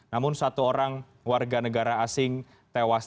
namun satu orang warga negara asing tewas